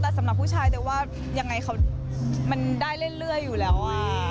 แต่สำหรับผู้ชายแต่ว่ายังไงมันได้เรื่อยอยู่แล้ว